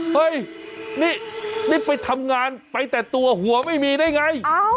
เฮ้ยนี่ไปทำงานไปแต่ตัวหัวไม่มีได้ไง